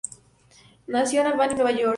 Nació en Albany, Nueva York.